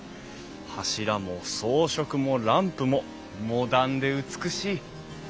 柱も装飾もランプもモダンで美しい！